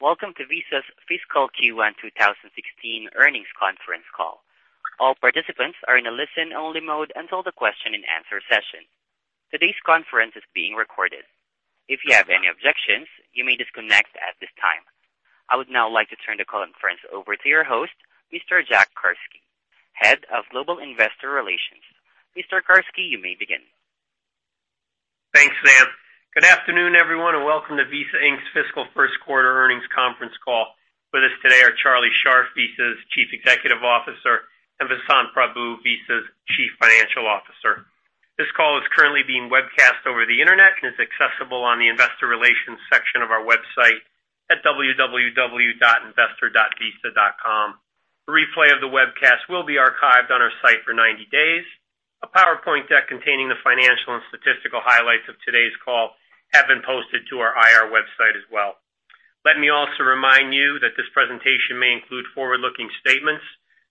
Welcome to Visa's fiscal Q1 2016 earnings conference call. All participants are in a listen-only mode until the question and answer session. Today's conference is being recorded. If you have any objections, you may disconnect at this time. I would now like to turn the conference over to your host, Mr. Jack Carsky, Head of Global Investor Relations. Mr. Carsky, you may begin. Thanks, ma'am. Good afternoon, everyone, welcome to Visa Inc's fiscal first quarter earnings conference call. With us today are Charlie Scharf, Visa's Chief Executive Officer, and Vasant Prabhu, Visa's Chief Financial Officer. This call is currently being webcast over the internet and is accessible on the investor relations section of our website at www.investor.visa.com. A replay of the webcast will be archived on our site for 90 days. A PowerPoint deck containing the financial and statistical highlights of today's call have been posted to our IR website as well. Let me also remind you that this presentation may include forward-looking statements.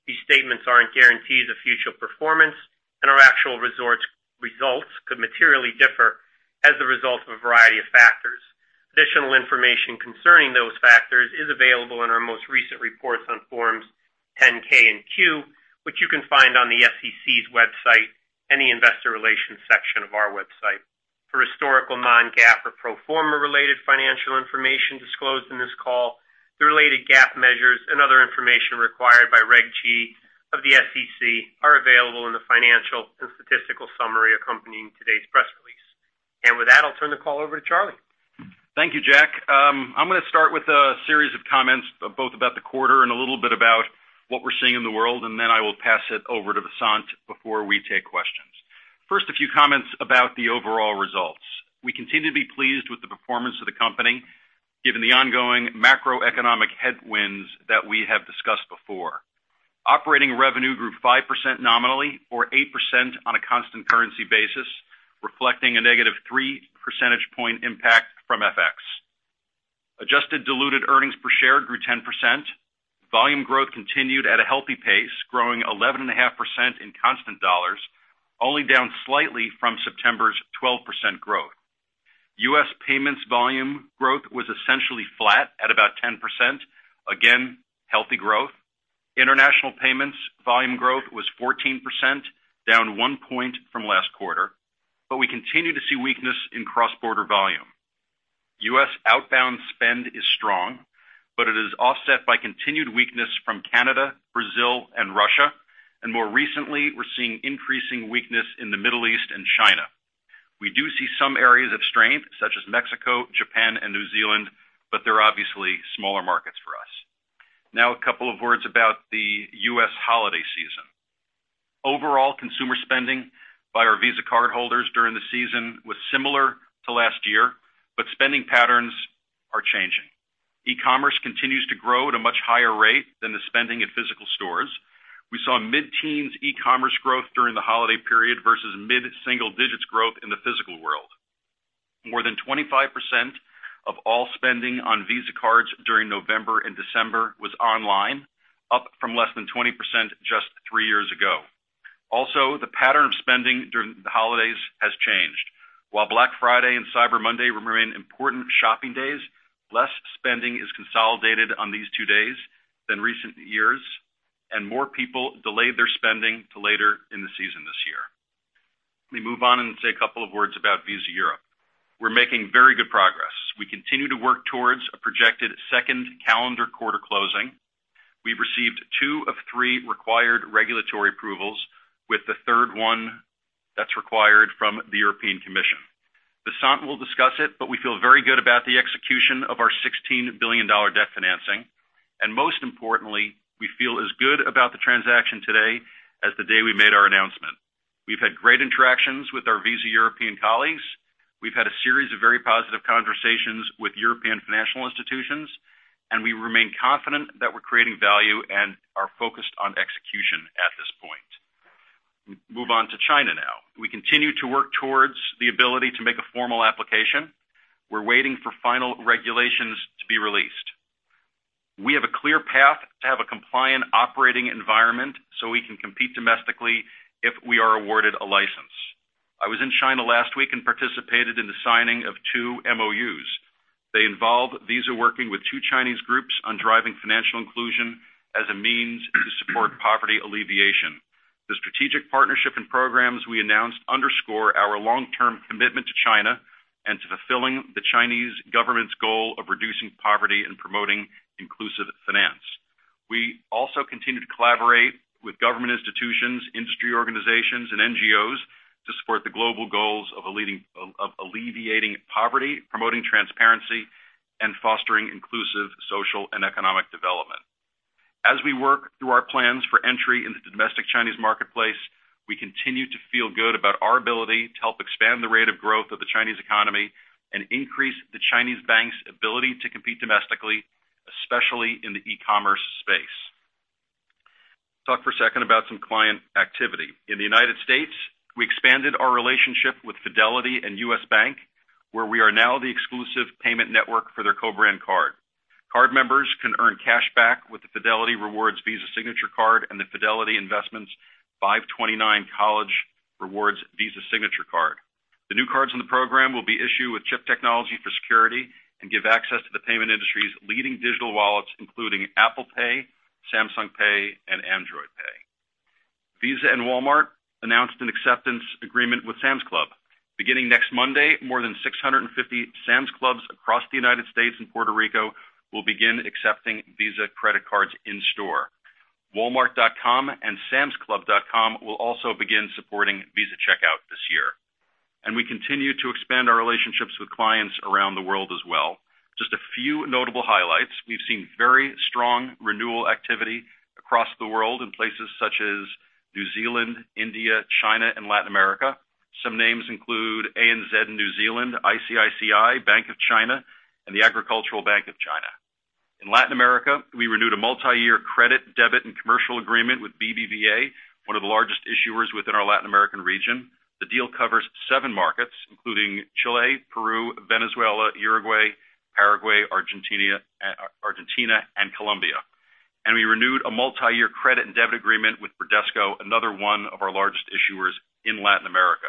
These statements aren't guarantees of future performance, our actual results could materially differ as a result of a variety of factors. Additional information concerning those factors is available in our most recent reports on forms 10-K and 10-Q, which you can find on the SEC's website and the investor relations section of our website. For historical non-GAAP or pro forma related financial information disclosed in this call, the related GAAP measures and other information required by Regulation G of the SEC are available in the financial and statistical summary accompanying today's press release. With that, I'll turn the call over to Charlie. Thank you, Jack. I'm going to start with a series of comments both about the quarter, a little bit about what we're seeing in the world, then I will pass it over to Vasant before we take questions. First, a few comments about the overall results. We continue to be pleased with the performance of the company, given the ongoing macroeconomic headwinds that we have discussed before. Operating revenue grew 5% nominally or 8% on a constant currency basis, reflecting a negative three percentage point impact from FX. Adjusted diluted earnings per share grew 10%. Volume growth continued at a healthy pace, growing 11.5% in constant dollars, only down slightly from September's 12% growth. U.S. payments volume growth was essentially flat at about 10%. Again, healthy growth. International payments volume growth was 14%, down one point from last quarter. We continue to see weakness in cross-border volume. U.S. outbound spend is strong, it is offset by continued weakness from Canada, Brazil, and Russia. More recently, we're seeing increasing weakness in the Middle East and China. We do see some areas of strength, such as Mexico, Japan, and New Zealand, but they're obviously smaller markets for us. A couple of words about the U.S. holiday season. Overall consumer spending by our Visa cardholders during the season was similar to last year, spending patterns are changing. E-commerce continues to grow at a much higher rate than the spending at physical stores. We saw mid-teens e-commerce growth during the holiday period versus mid-single digits growth in the physical world. More than 25% of all spending on Visa cards during November and December was online, up from less than 20% just three years ago. Also, the pattern of spending during the holidays has changed. While Black Friday and Cyber Monday remain important shopping days, less spending is consolidated on these two days than recent years, more people delayed their spending to later in the season this year. Let me move on and say a couple of words about Visa Europe. We're making very good progress. We continue to work towards a projected second calendar quarter closing. We've received two of three required regulatory approvals with the third one that's required from the European Commission. Vasant will discuss it, we feel very good about the execution of our $16 billion debt financing. Most importantly, we feel as good about the transaction today as the day we made our announcement. We've had great interactions with our Visa European colleagues. We've had a series of very positive conversations with European financial institutions, we remain confident that we're creating value and are focused on execution at this point. Move on to China now. We continue to work towards the ability to make a formal application. We're waiting for final regulations to be released. We have a clear path to have a compliant operating environment so we can compete domestically if we are awarded a license. I was in China last week and participated in the signing of two MOUs. They involve Visa working with two Chinese groups on driving financial inclusion as a means to support poverty alleviation. The strategic partnership and programs we announced underscore our long-term commitment to China and to fulfilling the Chinese government's goal of reducing poverty and promoting inclusive finance. We also continue to collaborate with government institutions, industry organizations, and NGOs to support the global goals of alleviating poverty, promoting transparency, fostering inclusive social and economic development. As we work through our plans for entry into the domestic Chinese marketplace, we continue to feel good about our ability to help expand the rate of growth of the Chinese economy increase the Chinese bank's ability to compete domestically, especially in the e-commerce space. Talk for a second about some client activity. In the U.S., we expanded our relationship with Fidelity and U.S. Bank, where we are now the exclusive payment network for their co-brand card. Card members can earn cash back with the Fidelity Rewards Visa Signature Card and the Fidelity Investments 529 College Rewards Visa Signature Card. The new cards in the program will be issued with chip technology for security and give access to the payment industry's leading digital wallets, including Apple Pay, Samsung Pay, and Android Pay. Visa and Walmart announced an acceptance agreement with Sam's Club. Beginning next Monday, more than 650 Sam's Clubs across the U.S. and Puerto Rico will begin accepting Visa credit cards in-store. walmart.com and samsclub.com will also begin supporting Visa Checkout this year. We continue to expand our relationships with clients around the world as well. Just a few notable highlights. We've seen very strong renewal activity across the world in places such as New Zealand, India, China, and Latin America. Some names include ANZ in New Zealand, ICICI, Bank of China, and the Agricultural Bank of China. In Latin America, we renewed a multi-year credit, debit, and commercial agreement with BBVA, one of the largest issuers within our Latin American region. The deal covers seven markets, including Chile, Peru, Venezuela, Uruguay, Paraguay, Argentina, and Colombia. We renewed a multi-year credit and debit agreement with Bradesco, another one of our largest issuers in Latin America.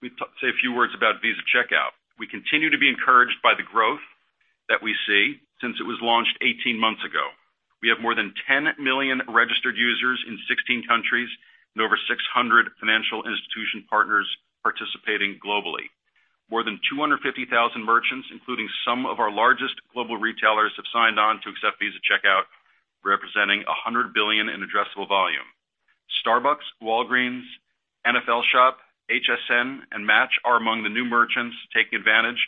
We say a few words about Visa Checkout. We continue to be encouraged by the growth that we see since it was launched 18 months ago. We have more than 10 million registered users in 16 countries and over 600 financial institution partners participating globally. More than 250,000 merchants, including some of our largest global retailers, have signed on to accept Visa Checkout, representing $100 billion in addressable volume. Starbucks, Walgreens, NFL Shop, HSN, and Match are among the new merchants taking advantage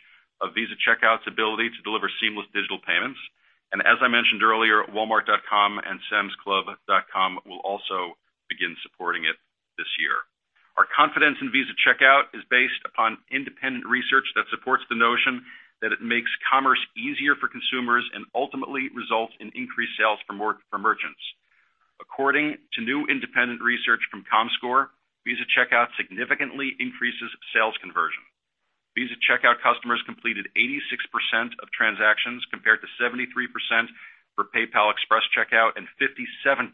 of Visa Checkout's ability to deliver seamless digital payments. As I mentioned earlier, walmart.com and samsclub.com will also begin supporting it this year. Our confidence in Visa Checkout is based upon independent research that supports the notion that it makes commerce easier for consumers and ultimately results in increased sales for merchants. According to new independent research from comScore, Visa Checkout significantly increases sales conversion. Visa Checkout customers completed 86% of transactions, compared to 73% for PayPal Express Checkout and 57%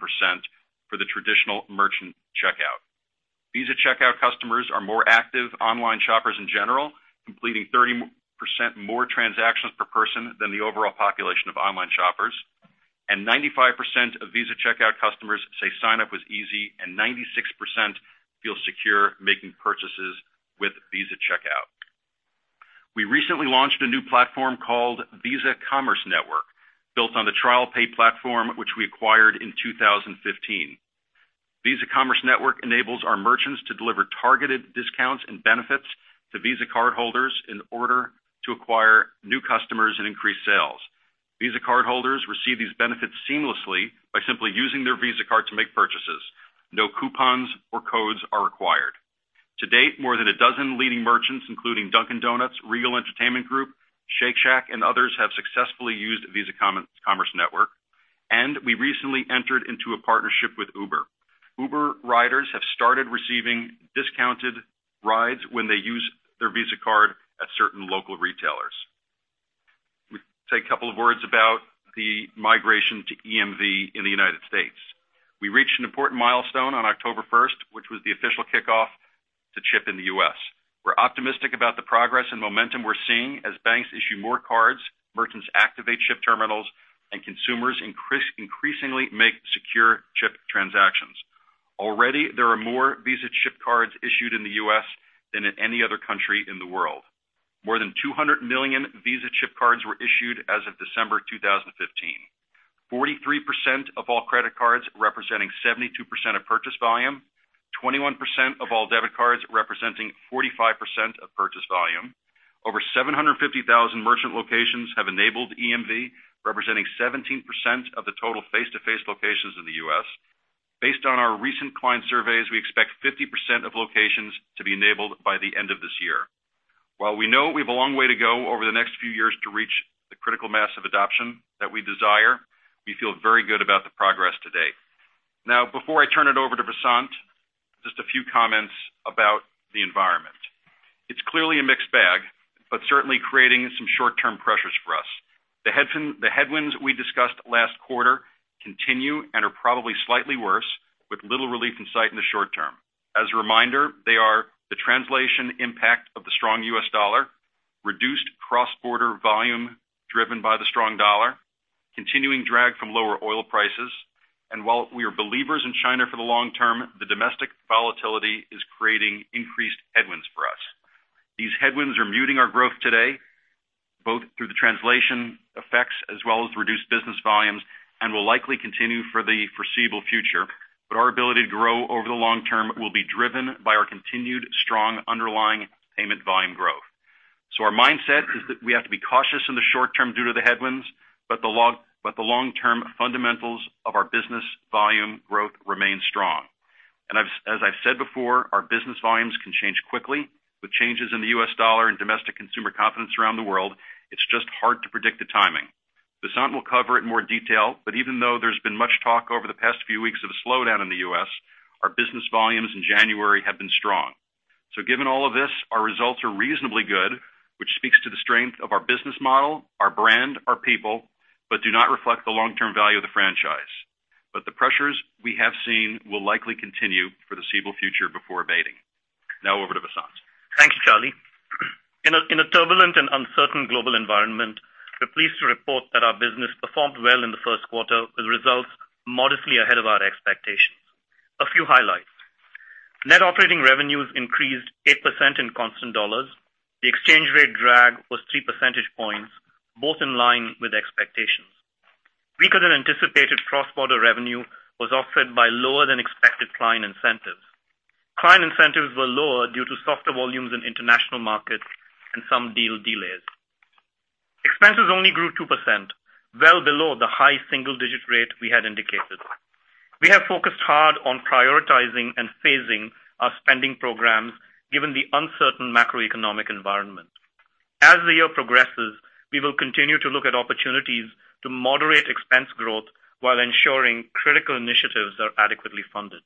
for the traditional merchant checkout. Visa Checkout customers are more active online shoppers in general, completing 30% more transactions per person than the overall population of online shoppers. Ninety-five percent of Visa Checkout customers say sign up was easy, and 96% feel secure making purchases with Visa Checkout. We recently launched a new platform called Visa Commerce Network, built on the TrialPay platform, which we acquired in 2015. Visa Commerce Network enables our merchants to deliver targeted discounts and benefits to Visa cardholders in order to acquire new customers and increase sales. Visa cardholders receive these benefits seamlessly by simply using their Visa card to make purchases. No coupons or codes are required. To date, more than a dozen leading merchants, including Dunkin' Donuts, Regal Entertainment Group, Shake Shack, and others, have successfully used Visa Commerce Network. We recently entered into a partnership with Uber. Uber riders have started receiving discounted rides when they use their Visa card at certain local retailers. We say a couple of words about the migration to EMV in the U.S. We reached an important milestone on October 1st, which was the official kickoff to chip in the U.S. We're optimistic about the progress and momentum we're seeing as banks issue more cards, merchants activate chip terminals, and consumers increasingly make secure chip transactions. Already, there are more Visa chip cards issued in the U.S. than in any other country in the world. More than 200 million Visa chip cards were issued as of December 2015, 43% of all credit cards, representing 72% of purchase volume, 21% of all debit cards, representing 45% of purchase volume. Over 750,000 merchant locations have enabled EMV, representing 17% of the total face-to-face locations in the U.S. Based on our recent client surveys, we expect 50% of locations to be enabled by the end of this year. While we know we've a long way to go over the next few years to reach the critical mass of adoption that we desire, we feel very good about the progress to date. Before I turn it over to Vasant, just a few comments about the environment. It's clearly a mixed bag, but certainly creating some short-term pressures for us. The headwinds we discussed last quarter continue and are probably slightly worse, with little relief in sight in the short term. As a reminder, they are the translation impact of the strong U.S. dollar, reduced cross-border volume driven by the strong dollar, continuing drag from lower oil prices, and while we are believers in China for the long term, the domestic volatility is creating increased headwinds for us. These headwinds are muting our growth today, both through the translation effects as well as reduced business volumes, and will likely continue for the foreseeable future. Our ability to grow over the long term will be driven by our continued strong underlying payment volume growth. Our mindset is that we have to be cautious in the short term due to the headwinds, but the long-term fundamentals of our business volume growth remain strong. As I've said before, our business volumes can change quickly with changes in the U.S. dollar and domestic consumer confidence around the world. It's just hard to predict the timing. Vasant will cover it in more detail, but even though there's been much talk over the past few weeks of a slowdown in the U.S., our business volumes in January have been strong. Given all of this, our results are reasonably good, which speaks to the strength of our business model, our brand, our people, but do not reflect the long-term value of the franchise. The pressures we have seen will likely continue for the foreseeable future before abating. Over to Vasant. Thanks, Charlie. In a turbulent and uncertain global environment, we're pleased to report that our business performed well in the first quarter, with results modestly ahead of our expectations. A few highlights. Net operating revenues increased 8% in constant dollars. The exchange rate drag was three percentage points, both in line with expectations. Weaker than anticipated cross-border revenue was offset by lower than expected client incentives. Client incentives were lower due to softer volumes in international markets and some deal delays. Expenses only grew 2%, well below the high single-digit rate we had indicated. We have focused hard on prioritizing and phasing our spending programs, given the uncertain macroeconomic environment. As the year progresses, we will continue to look at opportunities to moderate expense growth while ensuring critical initiatives are adequately funded.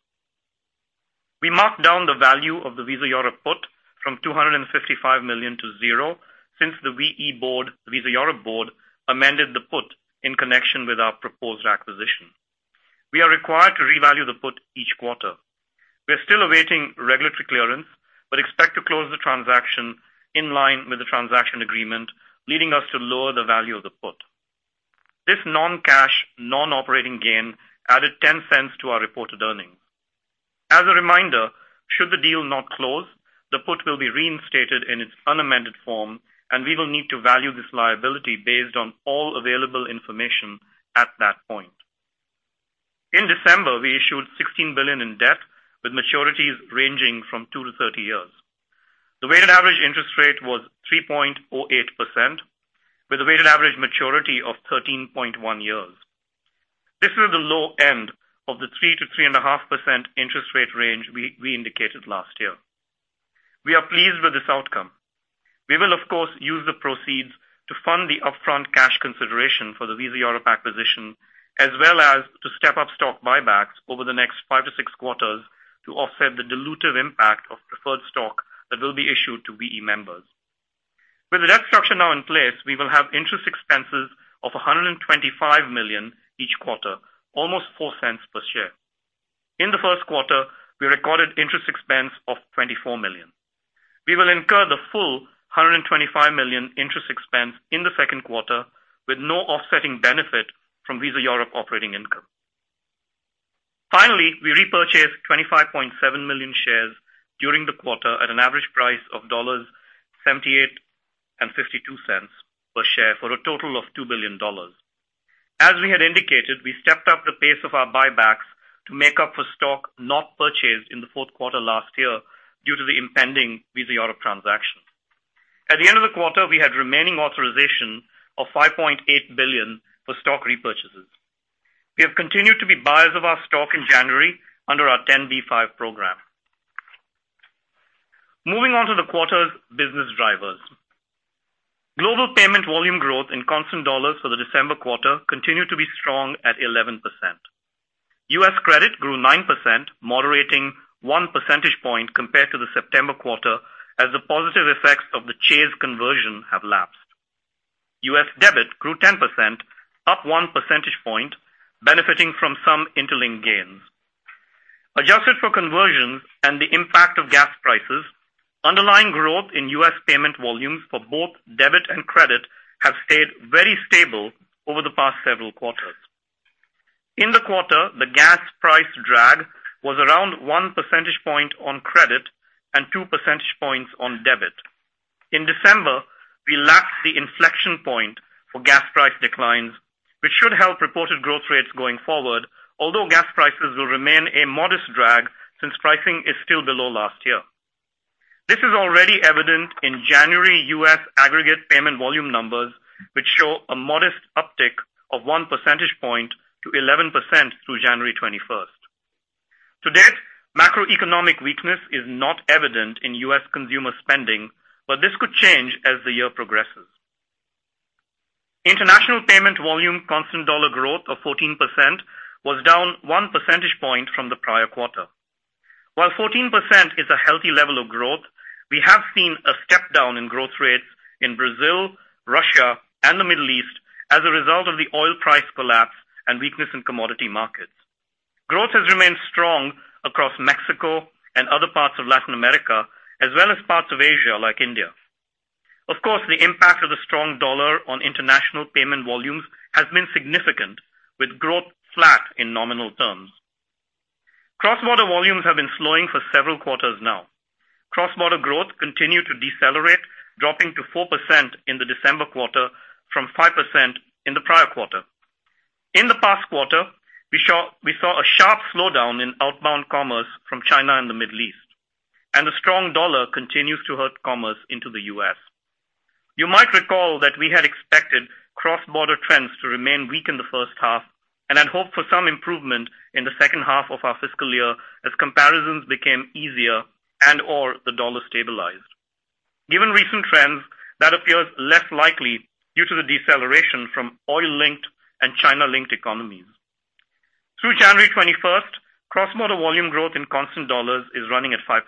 We marked down the value of the Visa Europe put from $255 million to zero since the VE board, Visa Europe board, amended the put in connection with our proposed acquisition. We are required to revalue the put each quarter. We're still awaiting regulatory clearance, but expect to close the transaction in line with the transaction agreement, leading us to lower the value of the put. This non-cash, non-operating gain added $0.10 to our reported earnings. As a reminder, should the deal not close, the put will be reinstated in its unamended form, and we will need to value this liability based on all available information at that point. In December, we issued $16 billion in debt, with maturities ranging from 2 to 30 years. The weighted average interest rate was 3.08%, with a weighted average maturity of 13.1 years. This is the low end of the 3%-3.5% interest rate range we indicated last year. We are pleased with this outcome. We will, of course, use the proceeds to fund the upfront cash consideration for the Visa Europe acquisition, as well as to step up stock buybacks over the next five to six quarters to offset the dilutive impact of preferred stock that will be issued to VE members. With the debt structure now in place, we will have interest expenses of $125 million each quarter, almost $0.04 per share. In the first quarter, we recorded interest expense of $24 million. We will incur the full $125 million interest expense in the second quarter, with no offsetting benefit from Visa Europe operating income. Finally, we repurchased 25.7 million shares during the quarter at an average price of $78.52 per share for a total of $2 billion. As we had indicated, we stepped up the pace of our buybacks to make up for stock not purchased in the fourth quarter last year due to the impending Visa Europe transaction. At the end of the quarter, we had remaining authorization of $5.8 billion for stock repurchases. We have continued to be buyers of our stock in January under our 10b5-1 program. Moving on to the quarter's business drivers. Global payment volume growth in constant dollars for the December quarter continued to be strong at 11%. U.S. credit grew 9%, moderating one percentage point compared to the September quarter, as the positive effects of the Chase conversion have lapsed. U.S. debit grew 10%, up one percentage point, benefiting from some Interlink gains. Adjusted for conversions and the impact of gas prices, underlying growth in U.S. payment volumes for both debit and credit have stayed very stable over the past several quarters. In the quarter, the gas price drag was around one percentage point on credit and two percentage points on debit. In December, we lapsed the inflection point for gas price declines, which should help reported growth rates going forward, although gas prices will remain a modest drag since pricing is still below last year. This is already evident in January U.S. aggregate payment volume numbers, which show a modest uptick of one percentage point to 11% through January 21st. To date, macroeconomic weakness is not evident in U.S. consumer spending, but this could change as the year progresses. International payment volume constant dollar growth of 14% was down one percentage point from the prior quarter. While 14% is a healthy level of growth, we have seen a step down in growth rates in Brazil, Russia, and the Middle East as a result of the oil price collapse and weakness in commodity markets. Growth has remained strong across Mexico and other parts of Latin America, as well as parts of Asia, like India. Of course, the impact of the strong dollar on international payment volumes has been significant, with growth flat in nominal terms. Cross-border volumes have been slowing for several quarters now. Cross-border growth continued to decelerate, dropping to 4% in the December quarter from 5% in the prior quarter. In the past quarter, we saw a sharp slowdown in outbound commerce from China and the Middle East, and the strong dollar continues to hurt commerce into the U.S. You might recall that we had expected cross-border trends to remain weak in the first half and had hoped for some improvement in the second half of our fiscal year as comparisons became easier and/or the dollar stabilized. Given recent trends, that appears less likely due to the deceleration from oil-linked and China-linked economies. Through January 21st, cross-border volume growth in constant dollars is running at 5%.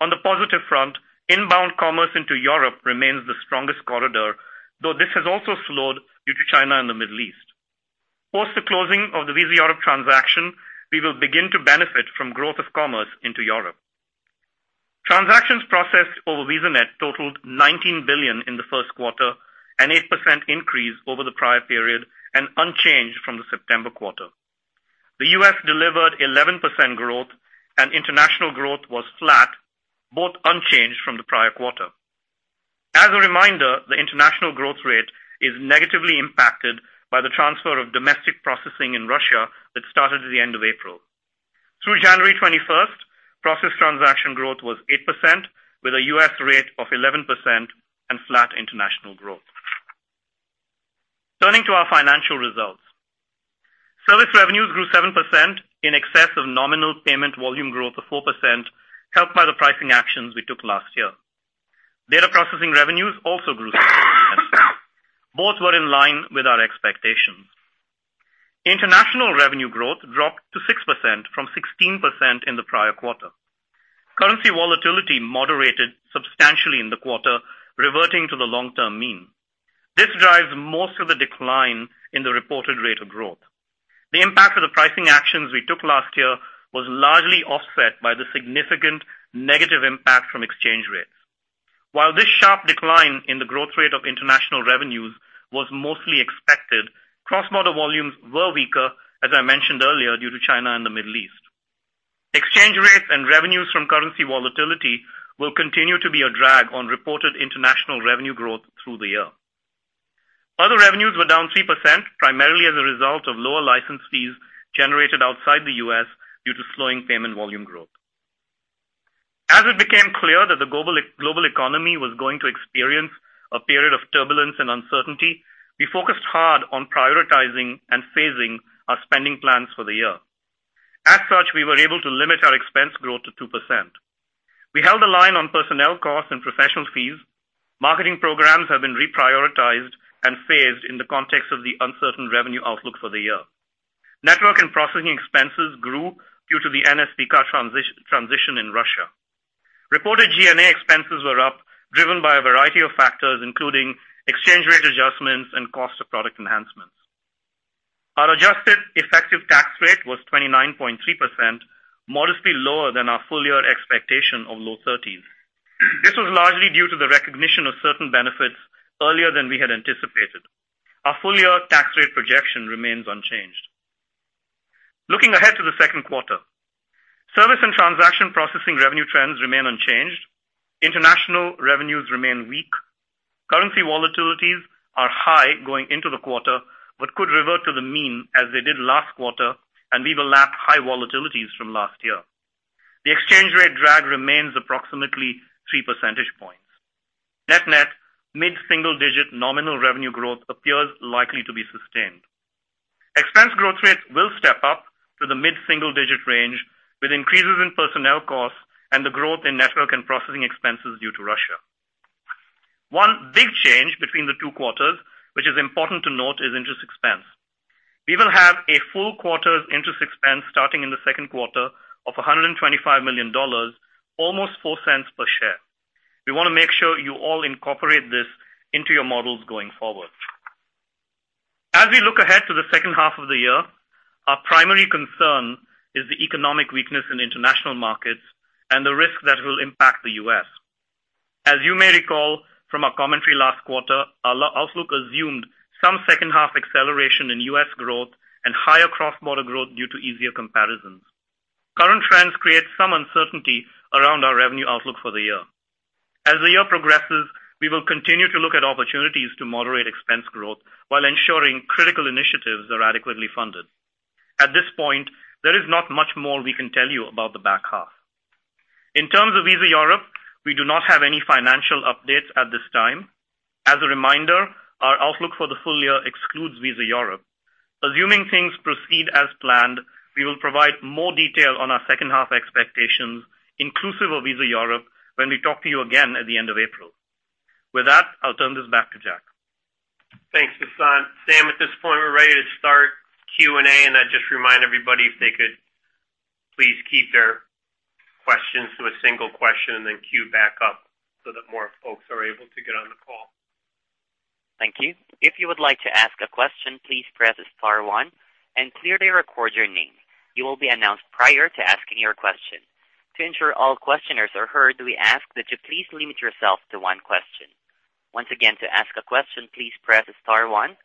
On the positive front, inbound commerce into Europe remains the strongest corridor, though this has also slowed due to China and the Middle East. Post the closing of the Visa Europe transaction, we will begin to benefit from growth of commerce into Europe. Transactions processed over VisaNet totaled 19 billion in the first quarter, an 8% increase over the prior period and unchanged from the September quarter. The U.S. delivered 11% growth and international growth was flat, both unchanged from the prior quarter. As a reminder, the international growth rate is negatively impacted by the transfer of domestic processing in Russia that started at the end of April. Through January 21st, processed transaction growth was 8%, with a U.S. rate of 11% and flat international growth. Turning to our financial results. Service revenues grew 7% in excess of nominal payment volume growth of 4%, helped by the pricing actions we took last year. Data processing revenues also grew, both were in line with our expectations. International revenue growth dropped to 6% from 16% in the prior quarter. Currency volatility moderated substantially in the quarter, reverting to the long-term mean. This drives most of the decline in the reported rate of growth. The impact of the pricing actions we took last year was largely offset by the significant negative impact from exchange rates. While this sharp decline in the growth rate of international revenues was mostly expected, cross-border volumes were weaker, as I mentioned earlier, due to China and the Middle East. Exchange rates and revenues from currency volatility will continue to be a drag on reported international revenue growth through the year. Other revenues were down 3%, primarily as a result of lower license fees generated outside the U.S. due to slowing payment volume growth. As it became clear that the global economy was going to experience a period of turbulence and uncertainty, we focused hard on prioritizing and phasing our spending plans for the year. As such, we were able to limit our expense growth to 2%. We held the line on personnel costs and professional fees. Marketing programs have been reprioritized and phased in the context of the uncertain revenue outlook for the year. Network and processing expenses grew due to the NSPK card transition in Russia. Reported G&A expenses were up, driven by a variety of factors, including exchange rate adjustments and cost of product enhancements. Our adjusted effective tax rate was 29.3%, modestly lower than our full-year expectation of low thirties. This was largely due to the recognition of certain benefits earlier than we had anticipated. Our full-year tax rate projection remains unchanged. Looking ahead to the second quarter. Service and transaction processing revenue trends remain unchanged. International revenues remain weak. Currency volatilities are high going into the quarter, but could revert to the mean as they did last quarter, and we will lap high volatilities from last year. The exchange rate drag remains approximately three percentage points. Net-net, mid-single digit nominal revenue growth appears likely to be sustained. Expense growth rates will step up to the mid-single digit range with increases in personnel costs and the growth in network and processing expenses due to Russia. One big change between the two quarters, which is important to note, is interest expense. We will have a full quarter's interest expense starting in the second quarter of $125 million, almost $0.04 per share. We want to make sure you all incorporate this into your models going forward. As we look ahead to the second half of the year, our primary concern is the economic weakness in international markets and the risk that will impact the U.S. As you may recall from our commentary last quarter, our outlook assumed some second half acceleration in U.S. growth and higher cross-border growth due to easier comparisons. Current trends create some uncertainty around our revenue outlook for the year. As the year progresses, we will continue to look at opportunities to moderate expense growth while ensuring critical initiatives are adequately funded. At this point, there is not much more we can tell you about the back half. In terms of Visa Europe, we do not have any financial updates at this time. As a reminder, our outlook for the full year excludes Visa Europe. Assuming things proceed as planned, we will provide more detail on our second half expectations inclusive of Visa Europe when we talk to you again at the end of April. With that, I'll turn this back to Jack. Thanks, Vasant. Sam, at this point, we're ready to start Q&A. I'd just remind everybody if they could please keep their questions to a single question and then queue back up so that more folks are able to get on the call. Thank you. If you would like to ask a question, please press star one and clearly record your name. You will be announced prior to asking your question. To ensure all questioners are heard, we ask that you please limit yourself to one question. Once again, to ask a question, please press star one.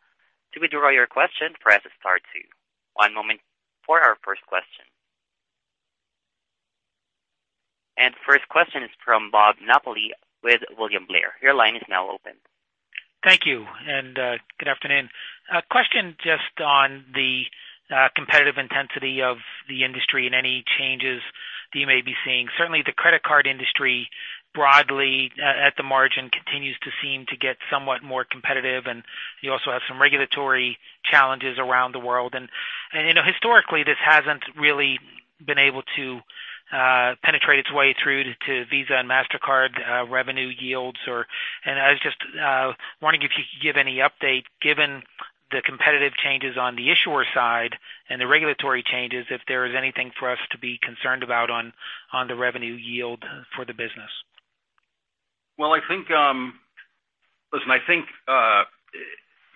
To withdraw your question, press star two. One moment for our first question. First question is from Bob Napoli with William Blair. Your line is now open. Thank you, good afternoon. A question just on the competitive intensity of the industry and any changes that you may be seeing. Certainly, the credit card industry broadly at the margin continues to seem to get somewhat more competitive, and you also have some regulatory challenges around the world. Historically, this hasn't really been able to penetrate its way through to Visa and MasterCard revenue yields. I was just wondering if you could give any update, given the competitive changes on the issuer side and the regulatory changes, if there is anything for us to be concerned about on the revenue yield for the business. Well, listen, I think the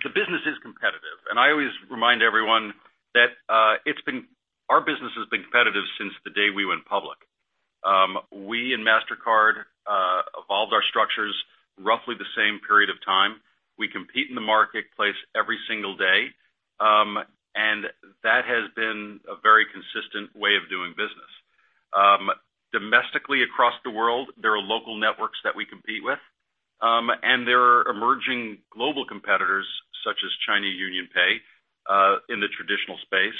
business is competitive. I always remind everyone that our business has been competitive since the day we went public. We and MasterCard evolved our structures roughly the same period of time. We compete in the marketplace every single day. That has been a very consistent way of doing business. Domestically, across the world, there are local networks that we compete with. There are emerging global competitors such as China UnionPay, in the traditional space,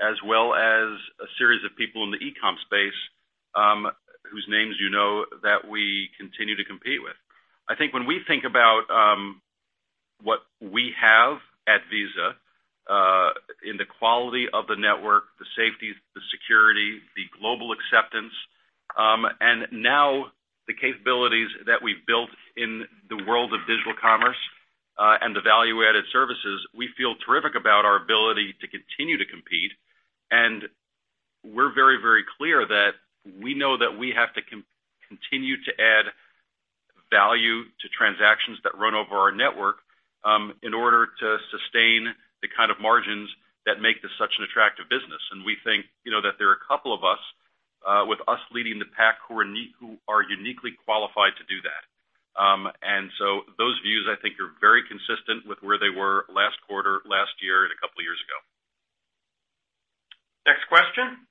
as well as a series of people in the e-com space, whose names you know, that we continue to compete with. I think when we think about what we have at Visa, in the quality of the network, the safety, the security, the global acceptance, and now the capabilities that we've built in the world of digital commerce, and the value-added services, we feel terrific about our ability to continue to compete. We're very clear that we know that we have to continue to add value to transactions that run over our network, in order to sustain the kind of margins that make this such an attractive business. We think that there are a couple of us, with us leading the pack, who are uniquely qualified to do that. Those views, I think, are very consistent with where they were last quarter, last year, and a couple of years ago. Next question.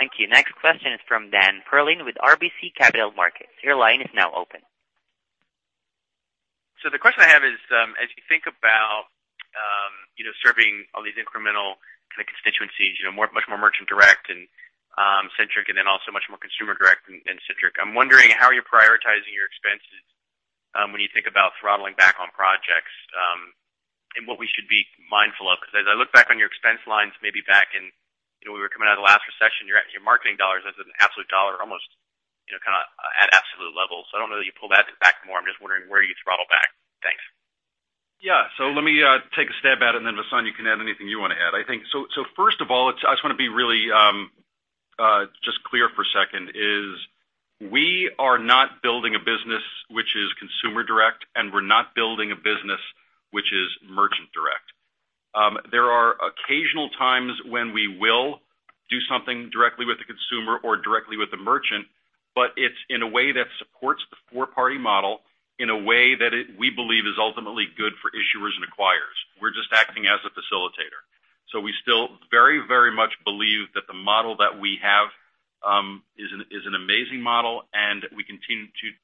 Thank you. Next question is from Dan Perlin with RBC Capital Markets. Your line is now open. The question I have is, as you think about serving all these incremental kind of constituencies, much more merchant direct and centric, and then also much more consumer direct and centric. I'm wondering how you're prioritizing your expenses, when you think about throttling back on projects, and what we should be mindful of. As I look back on your expense lines, maybe back in when we were coming out of the last recession, your marketing dollars as an absolute dollar, almost kind of at absolute levels. I don't know that you pull that back more. I'm just wondering where you throttle back. Thanks. Yeah. Let me take a stab at it, and then Vasant, you can add anything you want to add. First of all, I just want to be really just clear for a second, is we are not building a business which is consumer direct, and we're not building a business which is merchant direct. There are occasional times when we will do something directly with the consumer or directly with the merchant, but it's in a way that supports the four-party model in a way that we believe is ultimately good for issuers and acquirers. We're just acting as a facilitator. We still very much believe that the model that we have is an amazing model, and we continue to do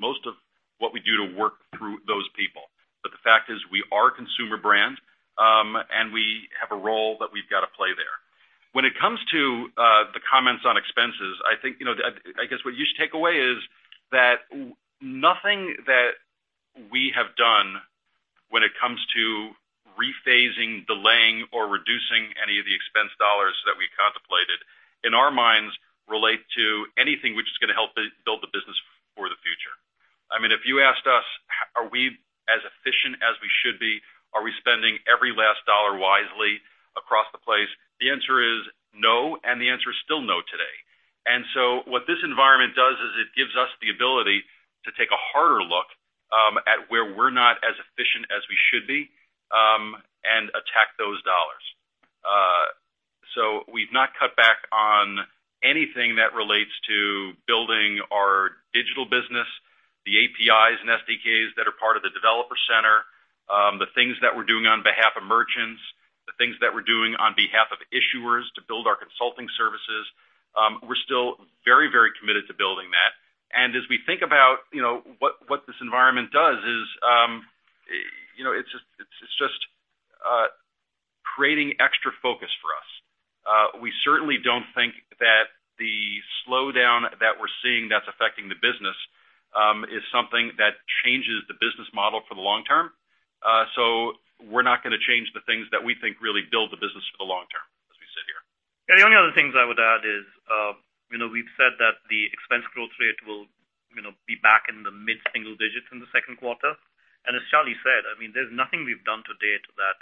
most of what we do to work through those people. The fact is we are a consumer brand. We have a role that we've got to play there. When it comes to the comments on expenses, I guess what you should take away is that nothing that we have done when it comes to rephasing, delaying, or reducing any of the expense dollars that we contemplated, in our minds relate to anything which is going to help build the business for the future. If you asked us, are we as efficient as we should be? Are we spending every last dollar wisely across the place? The answer is no, and the answer is still no today. What this environment does is it gives us the ability to take a harder look at where we're not as efficient as we should be, and attack those dollars. We've not cut back on anything that relates to building our digital business, the APIs and SDKs that are part of the developer center, the things that we're doing on behalf of merchants, the things that we're doing on behalf of issuers to build our consulting services. We're still very committed to building that. As we think about what this environment does is, it's just creating extra focus for us. We certainly don't think that the slowdown that we're seeing that's affecting the business, is something that changes the business model for the long term. We're not going to change the things that we think really build the business for the long term, as we sit here. The only other things I would add is, we've said that the expense growth rate will be back in the mid-single digits in the second quarter. As Charlie said, there's nothing we've done to date that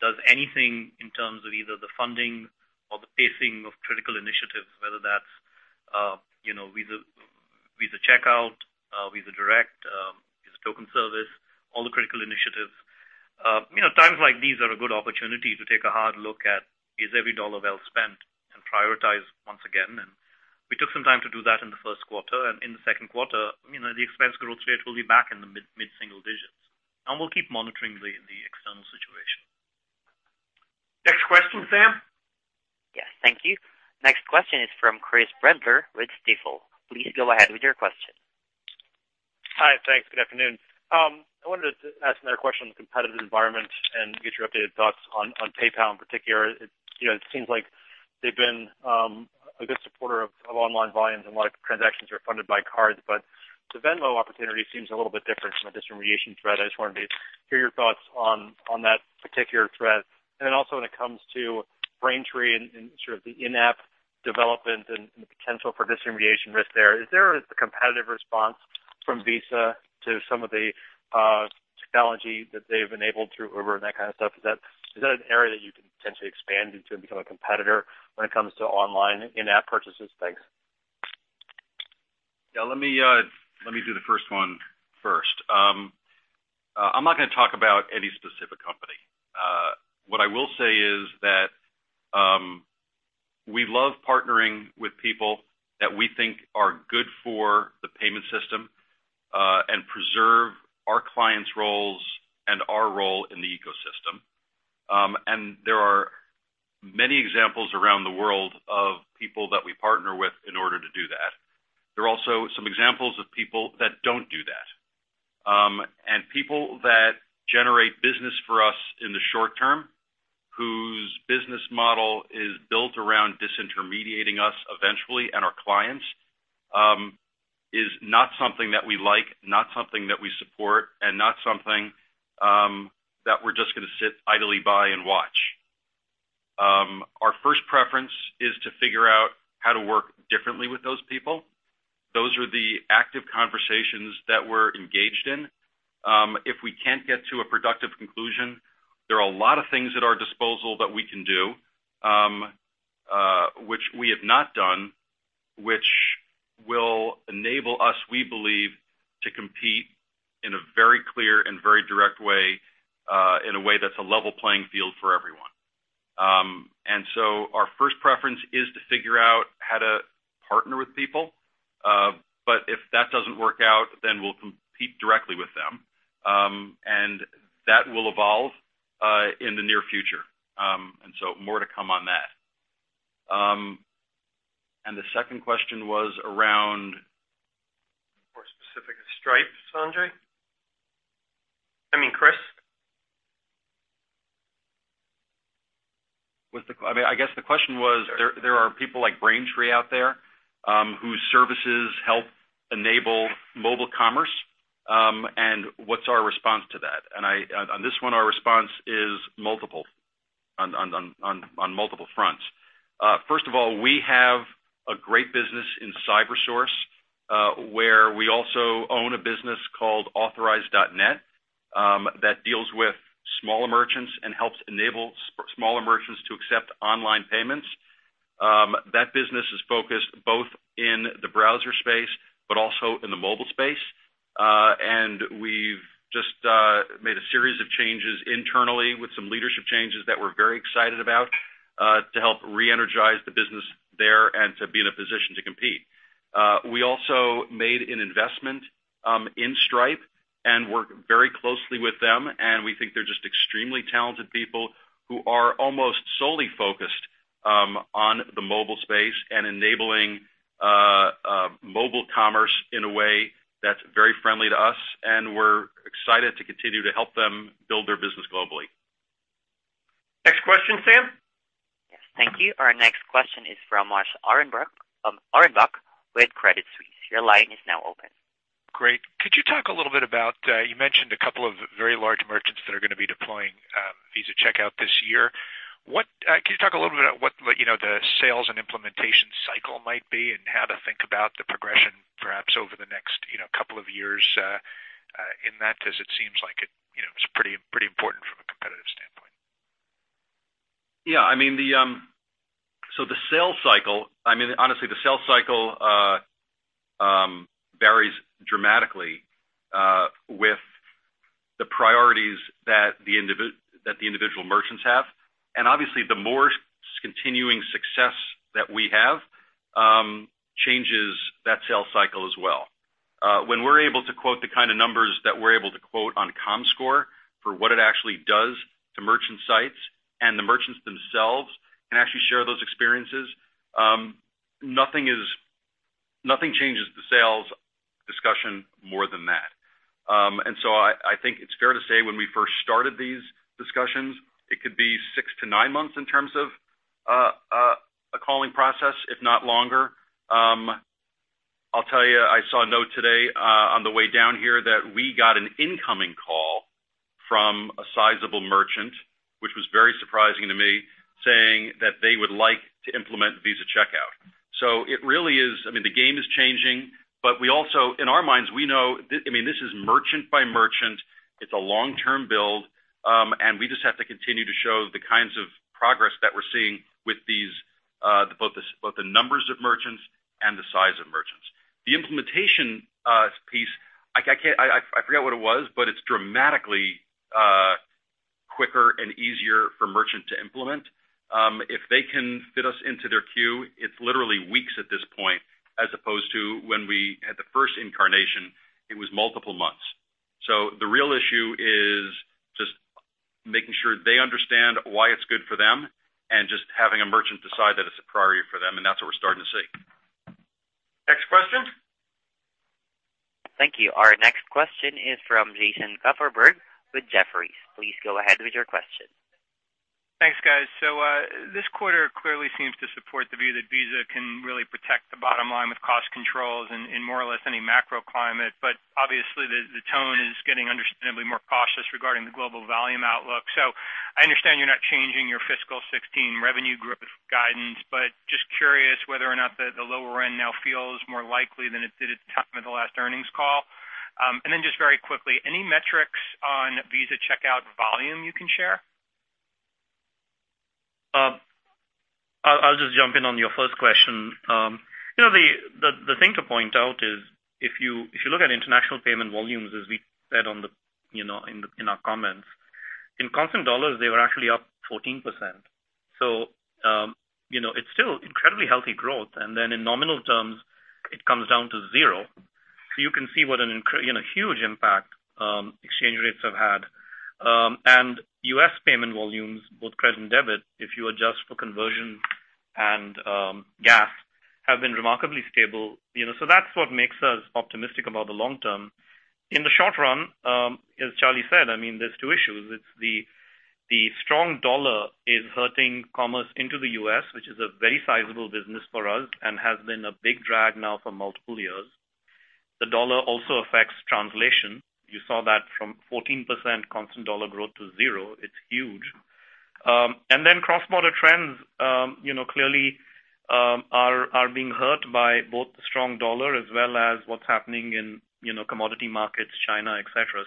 does anything in terms of either the funding or the pacing of critical initiatives, whether that's Visa Checkout, Visa Direct, Visa Token Service, all the critical initiatives. Times like these are a good opportunity to take a hard look at, is every dollar well spent, and prioritize once again. We took some time to do that in the first quarter. In the second quarter, the expense growth rate will be back in the mid-single digits. We'll keep monitoring the external situation. Next question, Sam. Yes. Thank you. Next question is from Chris Brendler with Stifel. Please go ahead with your question. Hi. Thanks. Good afternoon. I wanted to ask another question on the competitive environment and get your updated thoughts on PayPal in particular. It seems like they've been a good supporter of online volumes and a lot of transactions are funded by cards, but the Venmo opportunity seems a little bit different from a disintermediation threat. I just wanted to hear your thoughts on that particular threat. Also when it comes to Braintree and sort of the in-app development and the potential for disintermediation risk there, is there a competitive response from Visa to some of the technology that they've enabled through Uber and that kind of stuff? Is that an area that you can potentially expand into and become a competitor when it comes to online in-app purchases? Thanks. Yeah. Let me do the first one first. I'm not going to talk about any specific company. What I will say is that we love partnering with people that we think are good for the payment system, and preserve our clients' roles and our role in the ecosystem. There are many examples around the world of people that we partner with in order to do that. There are also some examples of people that don't do that. People that generate business for us in the short term, whose business model is built around disintermediating us eventually, and our clients, is not something that we like, not something that we support, and not something that we're just going to sit idly by and watch. Our first preference is to figure out how to work differently with those people. Those are the active conversations that we're engaged in. If we can't get to a productive conclusion, there are a lot of things at our disposal that we can do, which we have not done, which will enable us, we believe, to compete in a very clear and very direct way, in a way that's a level playing field for everyone. Our first preference is to figure out how to partner with people. If that doesn't work out, we'll compete directly with them. That will evolve in the near future. More to come on that. The second question was around- More specific to Stripe, Sanjay. I mean, Chris I guess the question was, there are people like Braintree out there, whose services help enable mobile commerce, and what's our response to that? On this one, our response is multiple, on multiple fronts. First of all, we have a great business in CyberSource, where we also own a business called Authorize.net, that deals with small merchants and helps enable small merchants to accept online payments. That business is focused both in the browser space but also in the mobile space. We've just made a series of changes internally with some leadership changes that we're very excited about, to help re-energize the business there and to be in a position to compete. We also made an investment in Stripe and work very closely with them, and we think they're just extremely talented people who are almost solely focused on the mobile space and enabling mobile commerce in a way that's very friendly to us, and we're excited to continue to help them build their business globally. Next question, Sam. Yes. Thank you. Our next question is from Moshe Orenbuch with Credit Suisse. Your line is now open. Great. Could you talk a little bit about, you mentioned a couple of very large merchants that are going to be deploying Visa Checkout this year. Can you talk a little bit about what the sales and implementation cycle might be, and how to think about the progression perhaps over the next couple of years in that, as it seems like it's pretty important from a competitive standpoint. Yeah. Honestly, the sales cycle varies dramatically, with the priorities that the individual merchants have. Obviously the more continuing success that we have, changes that sales cycle as well. When we're able to quote the kind of numbers that we're able to quote on comScore for what it actually does to merchant sites, and the merchants themselves can actually share those experiences, nothing changes the sales discussion more than that. I think it's fair to say when we first started these discussions, it could be six to nine months in terms of a calling process, if not longer. I'll tell you, I saw a note today on the way down here that we got an incoming call from a sizable merchant, which was very surprising to me, saying that they would like to implement Visa Checkout. It really is, the game is changing, but we also, in our minds, we know, this is merchant by merchant. It's a long-term build. We just have to continue to show the kinds of progress that we're seeing with both the numbers of merchants and the size of merchants. The implementation piece, I forget what it was, but it's dramatically quicker and easier for merchant to implement. If they can fit us into their queue, it's literally weeks at this point, as opposed to when we had the first incarnation, it was multiple months. The real issue is just making sure they understand why it's good for them and just having a merchant decide that it's a priority for them, and that's what we're starting to see. Next question. Thank you. Our next question is from Jason Kupferberg with Jefferies. Please go ahead with your question. Thanks, guys. This quarter clearly seems to support the view that Visa can really protect the bottom line with cost controls in more or less any macro climate. Obviously, the tone is getting understandably more cautious regarding the global volume outlook. I understand you're not changing your fiscal 2016 revenue growth guidance, but just curious whether or not the lower end now feels more likely than it did at the time of the last earnings call. Just very quickly, any metrics on Visa Checkout volume you can share? I'll just jump in on your first question. The thing to point out is, if you look at international payment volumes, as we said in our comments, in constant dollars, they were actually up 14%. It's still incredibly healthy growth. In nominal terms, it comes down to zero. You can see what a huge impact exchange rates have had. U.S. payment volumes, both credit and debit, if you adjust for conversion and gas, have been remarkably stable. That's what makes us optimistic about the long term. In the short run, as Charlie said, there's two issues. It's the strong dollar is hurting commerce into the U.S., which is a very sizable business for us and has been a big drag now for multiple years. The dollar also affects translation. You saw that from 14% constant dollar growth to zero. It's huge. Cross-border trends clearly are being hurt by both the strong dollar as well as what's happening in commodity markets, China, et cetera.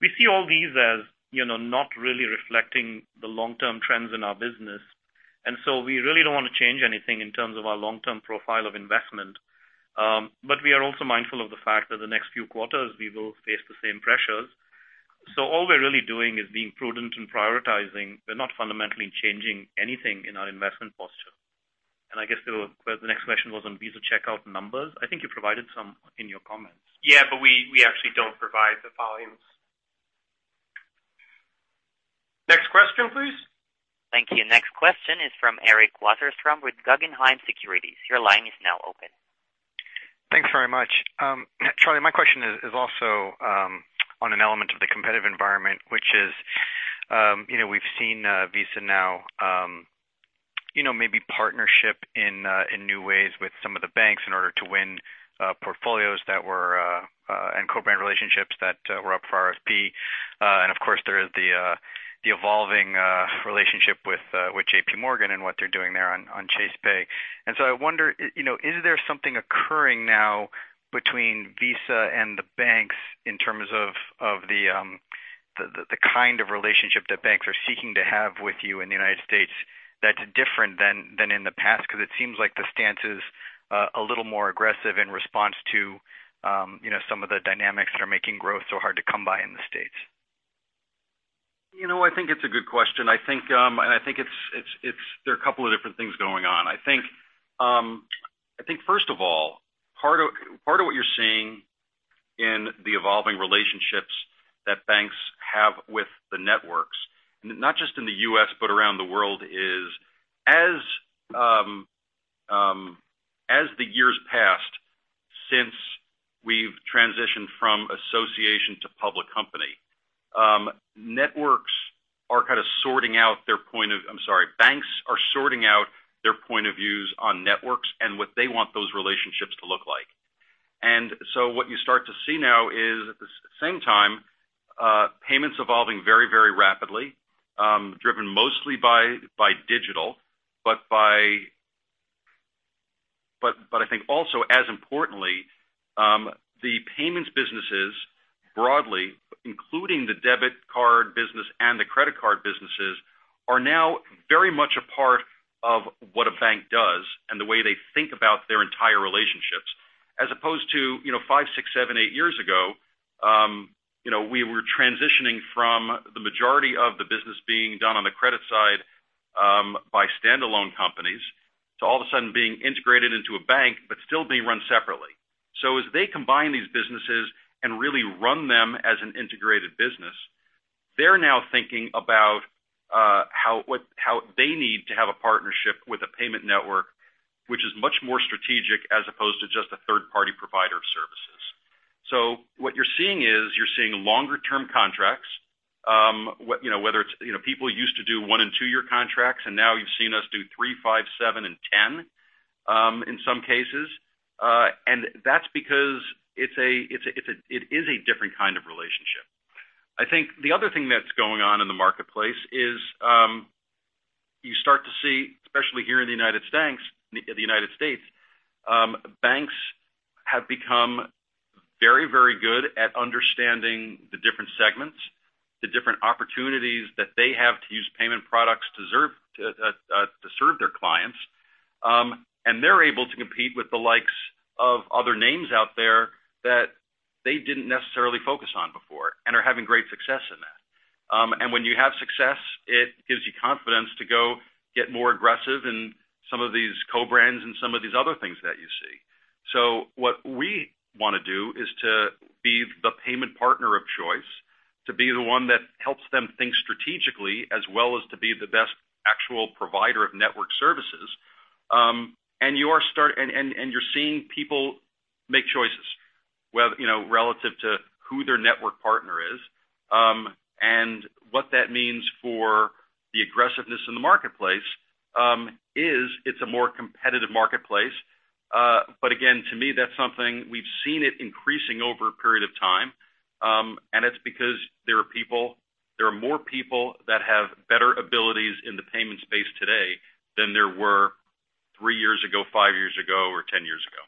We see all these as not really reflecting the long-term trends in our business. We really don't want to change anything in terms of our long-term profile of investment. We are also mindful of the fact that the next few quarters, we will face the same pressures. All we're really doing is being prudent and prioritizing. We're not fundamentally changing anything in our investment posture. I guess the next question was on Visa Checkout numbers. I think you provided some in your comments. We actually don't provide the volumes. Next question, please. Thank you. Next question is from Eric Wasserstrom with Guggenheim Securities. Your line is now open. Thanks very much. Charlie, my question is also on an element of the competitive environment, which is, we've seen Visa now maybe partnership in new ways with some of the banks in order to win portfolios and co-brand relationships that were up for RFP. Of course, there is the evolving relationship with J.P. Morgan and what they're doing there on Chase Pay. I wonder, is there something occurring now between Visa and the banks in terms of the kind of relationship that banks are seeking to have with you in the U.S. that's different than in the past? Because it seems like the stance is a little more aggressive in response to some of the dynamics that are making growth so hard to come by in the U.S. I think it's a good question. I think there are a couple of different things going on. I think, first of all, part of what you're seeing in the evolving relationships that banks have with the networks, not just in the U.S., but around the world, is as the years passed since we've transitioned from association to public company, banks are sorting out their point of views on networks and what they want those relationships to look like. What you start to see now is, at the same time, payments evolving very rapidly, driven mostly by digital, but I think also as importantly, the payments businesses broadly, including the debit card business and the credit card businesses, are now very much a part of what a bank does and the way they think about their entire relationships, as opposed to five, six, seven, eight years ago, we were transitioning from the majority of the business being done on the credit side by standalone companies to all of a sudden being integrated into a bank but still being run separately. As they combine these businesses and really run them as an integrated business, they're now thinking about how they need to have a partnership with a payment network which is much more strategic as opposed to just a third-party provider of services. What you're seeing is you're seeing longer-term contracts. People used to do one and two year contracts, and now you've seen us do three, five, seven, and 10 in some cases. That's because it is a different kind of relationship. I think the other thing that's going on in the marketplace is you start to see, especially here in the U.S., banks have become very good at understanding the different segments, the different opportunities that they have to use payment products to serve their clients. They're able to compete with the likes of other names out there that they didn't necessarily focus on before and are having great success in that. When you have success, it gives you confidence to go get more aggressive in some of these co-brands and some of these other things that you see. What we want to do is to be the payment partner of choice, to be the one that helps them think strategically as well as to be the best actual provider of network services. You're seeing people make choices. Well, relative to who their network partner is. What that means for the aggressiveness in the marketplace, is it's a more competitive marketplace. Again, to me, that's something we've seen it increasing over a period of time. It's because there are more people that have better abilities in the payment space today than there were three years ago, five years ago, or 10 years ago.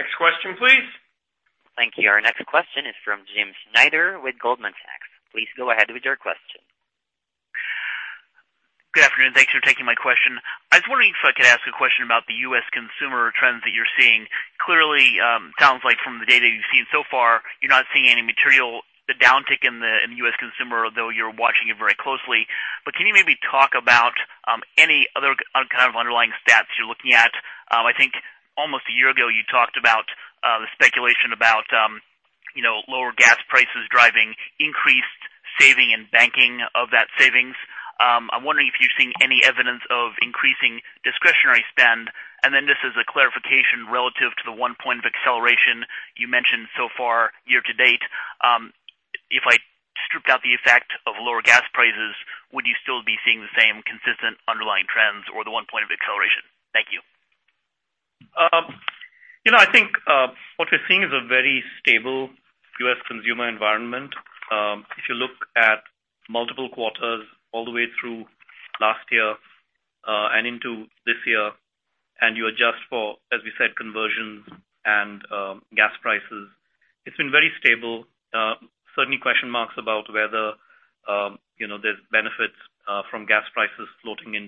Next question, please. Thank you. Our next question is from Jim Schneider with Goldman Sachs. Please go ahead with your question. Good afternoon. Thanks for taking my question. I was wondering if I could ask a question about the U.S. consumer trends that you're seeing. Clearly, sounds like from the data you've seen so far, you're not seeing any material downtick in the U.S. consumer, although you're watching it very closely. Can you maybe talk about any other kind of underlying stats you're looking at? I think almost a year ago you talked about the speculation about lower gas prices driving increased saving and banking of that savings. I'm wondering if you're seeing any evidence of increasing discretionary spend. Then this is a clarification relative to the one point of acceleration you mentioned so far year-to-date. If I stripped out the effect of lower gas prices, would you still be seeing the same consistent underlying trends or the one point of acceleration? Thank you. I think, what we're seeing is a very stable U.S. consumer environment. If you look at multiple quarters all the way through last year, and into this year, and you adjust for, as we said, conversions and gas prices, it's been very stable.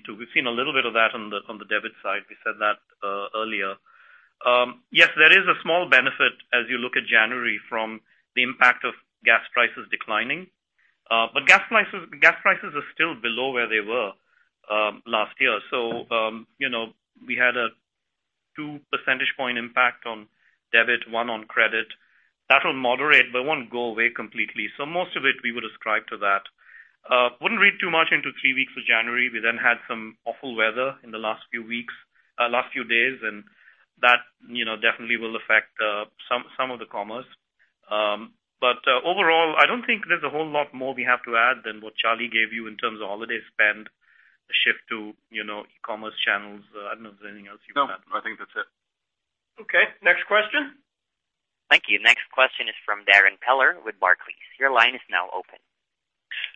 We've seen a little bit of that on the debit side, we said that earlier. Yes, there is a small benefit as you look at January from the impact of gas prices declining. Gas prices are still below where they were last year. We had a two percentage point impact on debit, one on credit. That'll moderate but won't go away completely. Most of it, we would ascribe to that. Wouldn't read too much into three weeks of January. We had some awful weather in the last few days, and that definitely will affect some of the commerce. Overall, I don't think there's a whole lot more we have to add than what Charlie gave you in terms of holiday spend, the shift to e-commerce channels. I don't know if there's anything else you would add. No, I think that's it. Okay. Next question. Thank you. Next question is from Darrin Peller with Barclays. Your line is now open.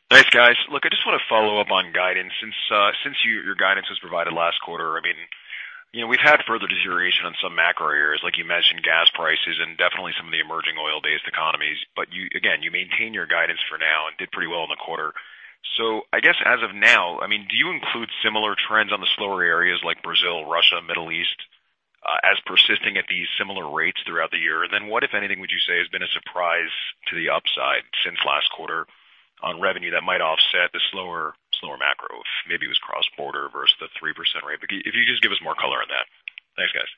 Thanks, guys. Look, I just want to follow up on guidance. Since your guidance was provided last quarter, we've had further deterioration on some macro areas, like you mentioned, gas prices and definitely some of the emerging oil-based economies. Again, you maintain your guidance for now and did pretty well in the quarter. I guess as of now, do you include similar trends on the slower areas like Brazil, Russia, Middle East, as persisting at these similar rates throughout the year? What, if anything, would you say has been a surprise to the upside since last quarter on revenue that might offset the slower macro, if maybe it was cross-border versus the 3% rate? If you could just give us more color on that. Thanks, guys.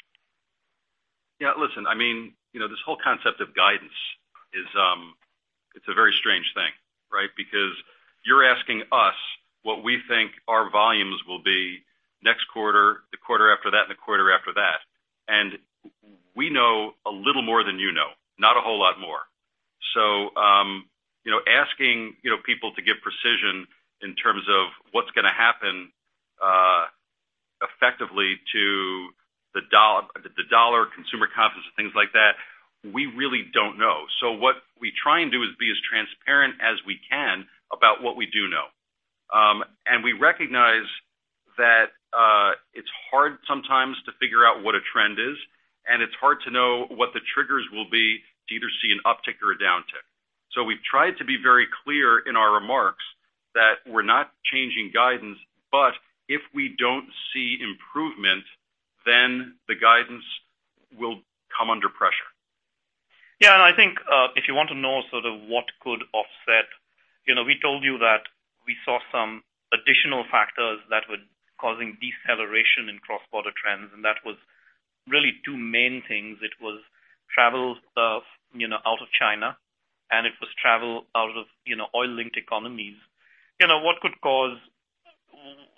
Listen, this whole concept of guidance, it's a very strange thing, right? Because you're asking us what we think our volumes will be next quarter, the quarter after that, and the quarter after that. We know a little more than you know, not a whole lot more. Asking people to give precision in terms of what's going to happen effectively to the dollar, consumer confidence, and things like that, we really don't know. What we try and do is be as transparent as we can about what we do know. We recognize that it's hard sometimes to figure out what a trend is, and it's hard to know what the triggers will be to either see an uptick or a downtick. We've tried to be very clear in our remarks that we're not changing guidance, if we don't see improvement, then the guidance will come under pressure. I think if you want to know sort of what could offset, we told you that we saw some additional factors that were causing deceleration in cross-border trends. That was really two main things. It was travel out of China. It was travel out of oil-linked economies.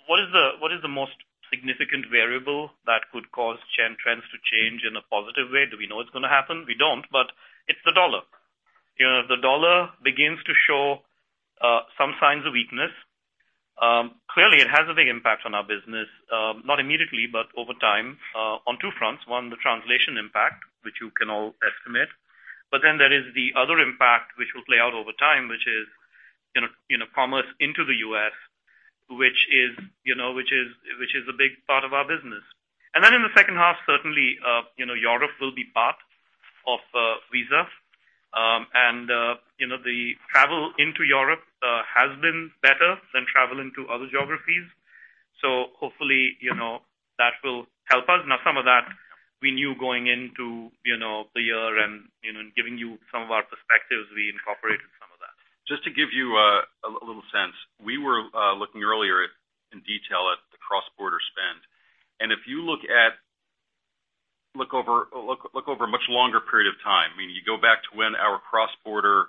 What is the most significant variable that could cause trends to change in a positive way? Do we know it's going to happen? We don't. It's the dollar. The dollar begins to show some signs of weakness. Clearly, it has a big impact on our business, not immediately, but over time, on two fronts. One, the translation impact, which you can all estimate. Then there is the other impact which will play out over time, which is commerce into the U.S., which is a big part of our business. In the second half, certainly, Europe will be part of Visa. The travel into Europe has been better than travel into other geographies. Hopefully, that will help us. Now, some of that we knew going into the year and giving you some of our perspectives, we incorporated some of that. Just to give you a little sense. We were looking earlier in detail at the cross-border spend. If you look over a much longer period of time, meaning you go back to when our cross-border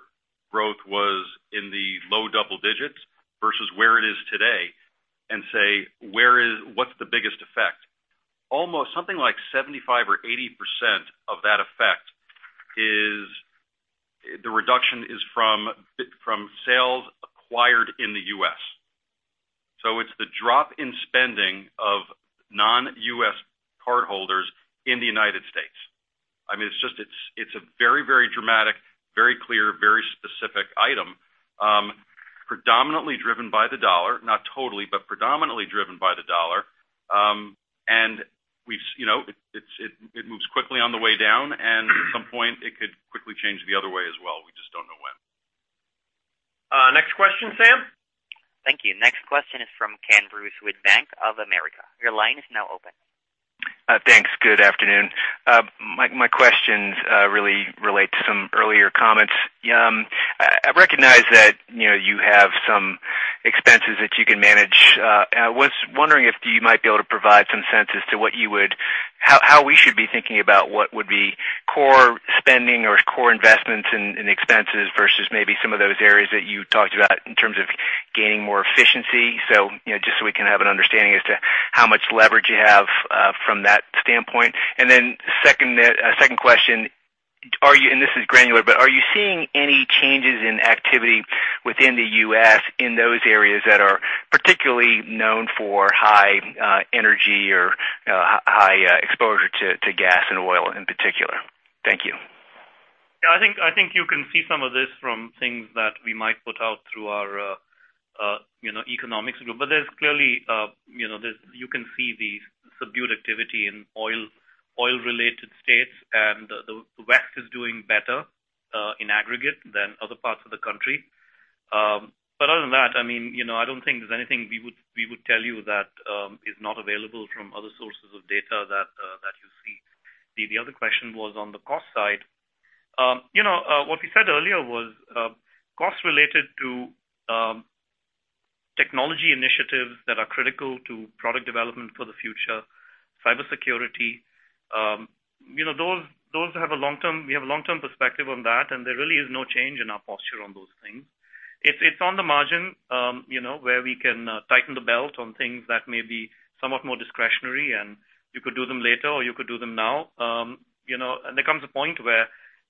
was in the low double digits versus where it is today and say, what's the biggest effect? Almost something like 75% or 80% of that effect is the reduction is from sales acquired in the U.S. It's the drop in spending of non-U.S. cardholders in the United States. It's a very dramatic, very clear, very specific item predominantly driven by the dollar, not totally, but predominantly driven by the dollar. At some point it could quickly change the other way as well. We just don't know when. Next question, Sam. Thank you. Next question is from Kenneth Bruce with Bank of America. Your line is now open. Thanks. Good afternoon. My questions really relate to some earlier comments. I recognize that you have some expenses that you can manage. I was wondering if you might be able to provide some sense as to how we should be thinking about what would be core spending or core investments in expenses versus maybe some of those areas that you talked about in terms of gaining more efficiency. Just so we can have an understanding as to how much leverage you have from that standpoint. Second question, and this is granular, but are you seeing any changes in activity within the U.S. in those areas that are particularly known for high energy or high exposure to gas and oil in particular? Thank you. I think you can see some of this from things that we might put out through our economics group. There's clearly you can see the subdued activity in oil related states, and the West is doing better, in aggregate than other parts of the country. Other than that, I don't think there's anything we would tell you that is not available from other sources of data that you see. The other question was on the cost side. What we said earlier was, costs related to technology initiatives that are critical to product development for the future, cybersecurity. We have a long-term perspective on that, and there really is no change in our posture on those things. It's on the margin where we can tighten the belt on things that may be somewhat more discretionary, and you could do them later or you could do them now. There comes a point where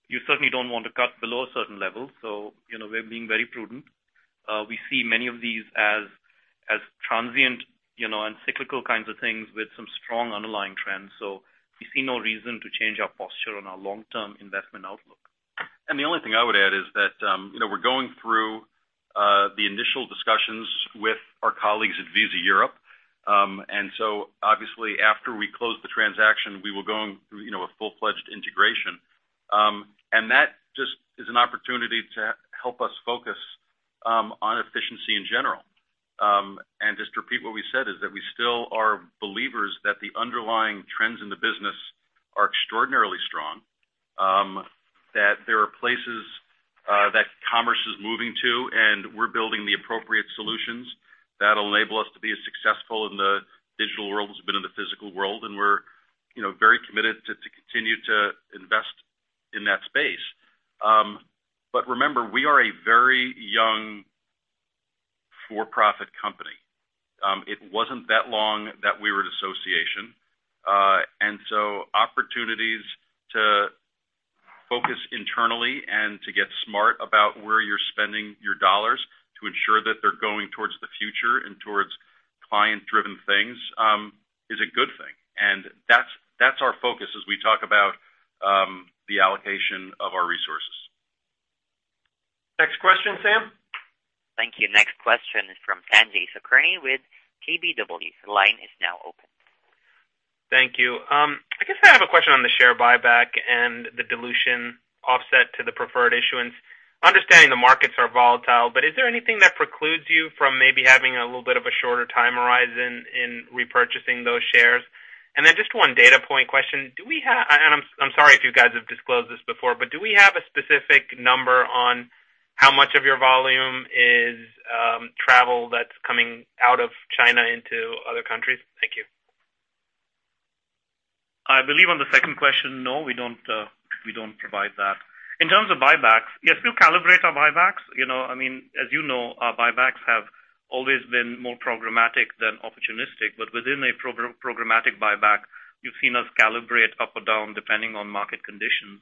you certainly don't want to cut below a certain level. We're being very prudent. We see many of these as transient and cyclical kinds of things with some strong underlying trends. We see no reason to change our posture on our long-term investment outlook. The only thing I would add is that we're going through the initial discussions with our colleagues at Visa Europe. Obviously after we close the transaction, we will go through a full-fledged integration. That just is an opportunity to help us focus on efficiency in general. Just to repeat what we said is that we still are believers that the underlying trends in the business are extraordinarily strong. There are places that commerce is moving to, and we're building the appropriate solutions that'll enable us to be as successful in the digital world as we've been in the physical world, and we're very committed to continue to invest in that space. Remember, we are a very young, for-profit company. It wasn't that long that we were an association. Opportunities to focus internally and to get smart about where you're spending your dollars to ensure that they're going towards the future and towards client-driven things, is a good thing. That's our focus as we talk about the allocation of our resources. Next question, Sam. Thank you. Next question is from Sanjay Sakhrani with KBW. The line is now open. Thank you. I guess I have a question on the share buyback and the dilution offset to the preferred issuance. Understanding the markets are volatile, is there anything that precludes you from maybe having a little bit of a shorter time horizon in repurchasing those shares? Just one data point question. I'm sorry if you guys have disclosed this before, do we have a specific number on how much of your volume is travel that's coming out of China into other countries? Thank you. I believe on the second question, no, we don't provide that. In terms of buybacks, yes, we'll calibrate our buybacks. As you know, our buybacks have always been more programmatic than opportunistic. Within a programmatic buyback, you've seen us calibrate up or down depending on market conditions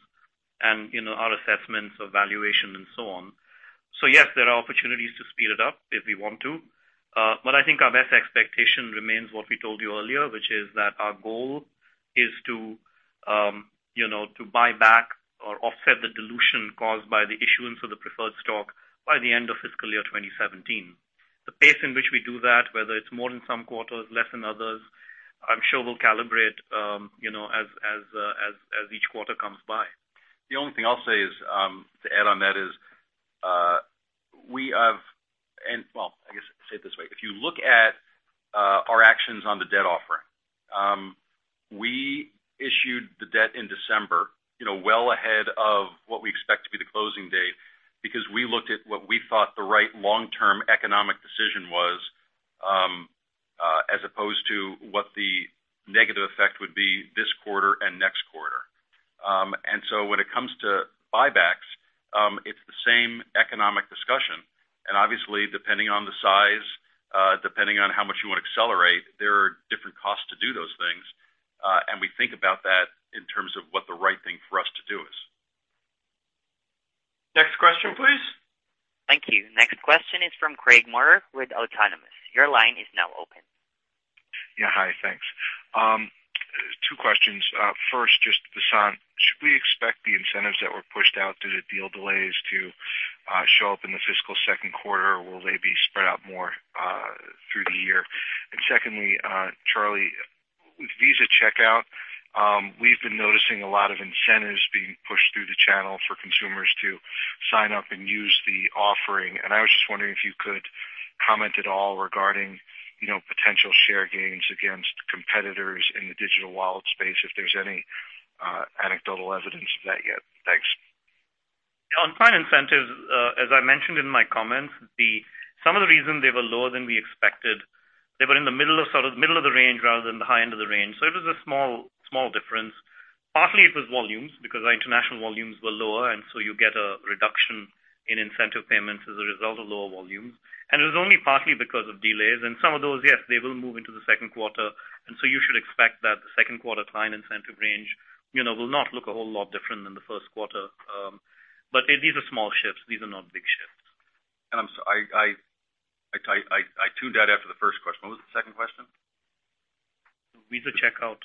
and our assessments of valuation and so on. Yes, there are opportunities to speed it up if we want to. I think our best expectation remains what we told you earlier, which is that our goal is to buy back or offset the dilution caused by the issuance of the preferred stock by the end of fiscal year 2017. The pace in which we do that, whether it's more in some quarters, less in others, I'm sure we'll calibrate as each quarter comes by. The only thing I'll say to add on that is, let me say it this way. If you look at our actions on the debt offering. We issued the debt in December well ahead of what we expect to be the closing date because we looked at what we thought the right long-term economic decision was as opposed to what the negative effect would be this quarter and next quarter. When it comes to buybacks, it's the same economic discussion. Obviously, depending on the size, depending on how much you want to accelerate, there are different costs to do those things. We think about that in terms of what the right thing for us to do is. Next question, please. Thank you. Next question is from Craig Maurer with Autonomous. Your line is now open. Yeah. Hi, thanks. Two questions. First, just Vasan, should we expect the incentives that were pushed out due to deal delays to show up in the fiscal second quarter? Will they be spread out more through the year? Secondly, Charlie, with Visa Checkout, we've been noticing a lot of incentives being pushed through the channel for consumers to sign up and use the offering. I was just wondering if you could comment at all regarding potential share gains against competitors in the digital wallet space, if there's any anecdotal evidence of that yet. Thanks. On client incentives, as I mentioned in my comments, some of the reason they were lower than we expected, they were in the middle of the range rather than the high end of the range. It was a small difference. Partly it was volumes, because our international volumes were lower, and so you get a reduction in incentive payments as a result of lower volumes. It was only partly because of delays. Some of those, yes, they will move into the second quarter. You should expect that the second quarter client incentive range will not look a whole lot different than the first quarter. These are small shifts. These are not big shifts. I'm sorry. I tuned out after the first question. What was the second question? Visa Checkout.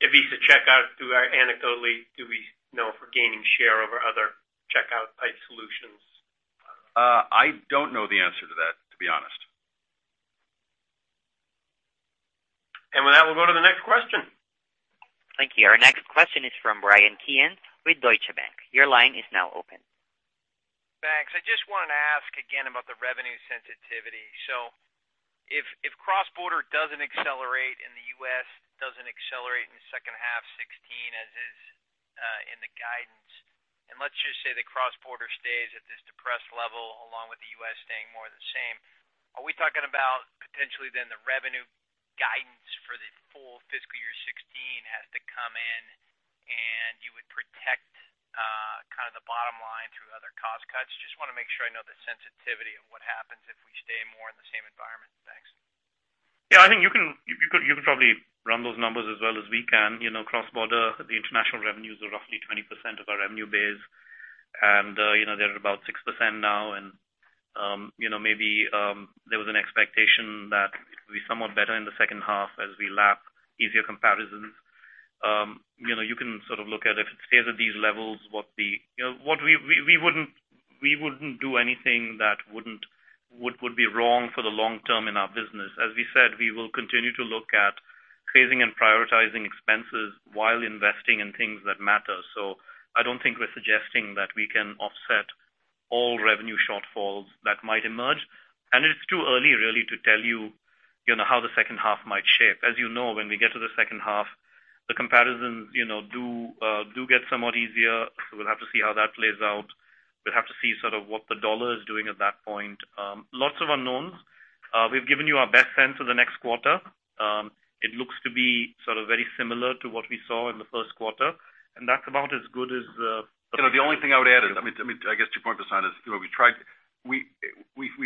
Visa Checkout, anecdotally, do we know if we're gaining share over other checkout-type solutions? I don't know the answer to that, to be honest. With that, we'll go to the next question. Thank you. Our next question is from Bryan Keane with Deutsche Bank. Your line is now open. Thanks. I just wanted to ask again about the revenue sensitivity. If cross-border doesn't accelerate in the U.S., doesn't accelerate in the second half 2016, as is in the guidance, and let's just say the cross-border stays at this depressed level, along with the U.S. staying more the same, are we talking about potentially then the revenue guidance for the full fiscal year 2016 has to come in and you would protect the bottom line through other cost cuts? Just want to make sure I know the sensitivity of what happens if we stay more in the same environment. Thanks. Yeah, I think you can probably run those numbers as well as we can. Cross-border, the international revenues are roughly 20% of our revenue base, and they're at about 6% now. Maybe there was an expectation that it would be somewhat better in the second half as we lap easier comparisons. You can sort of look at if it stays at these levels, we wouldn't do anything that would be wrong for the long term in our business. As we said, we will continue to look at freezing and prioritizing expenses while investing in things that matter. I don't think we're suggesting that we can offset all revenue shortfalls that might emerge. It's too early, really, to tell you how the second half might shape. As you know, when we get to the second half, the comparisons do get somewhat easier. We'll have to see how that plays out. We'll have to see sort of what the dollar is doing at that point. Lots of unknowns. We've given you our best sense of the next quarter. It looks to be sort of very similar to what we saw in the first quarter. The only thing I would add, I guess to your point, Vasan, is we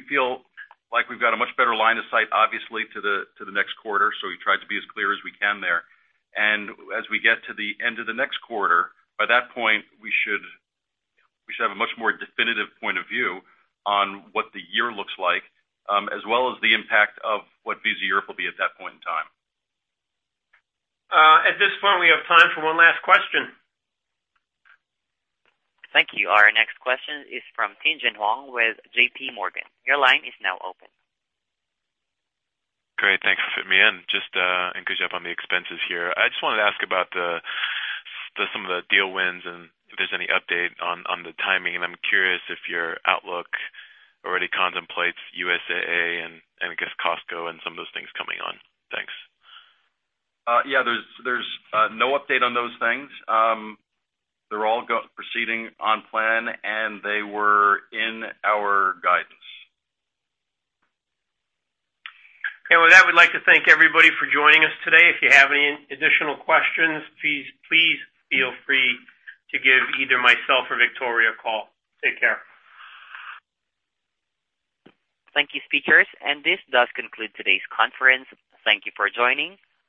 feel like we've got a much better line of sight, obviously, to the next quarter, so we tried to be as clear as we can there. As we get to the end of the next quarter, by that point, we should have a much more definitive point of view on what the year looks like, as well as the impact of what Visa Europe will be at that point in time. At this point, we have time for one last question. Thank you. Our next question is from Tien-Tsin Huang with J.P. Morgan. Your line is now open. Great. Thanks for fitting me in. Just to catch up on the expenses here. I just wanted to ask about some of the deal wins and if there's any update on the timing, and I'm curious if your outlook already contemplates USAA and I guess Costco and some of those things coming on. Thanks. Yeah, there's no update on those things. They're all proceeding on plan, and they were in our guidance. With that, we'd like to thank everybody for joining us today. If you have any additional questions, please feel free to give either myself or Victoria a call. Take care. Thank you, speakers. This does conclude today's conference. Thank you for joining.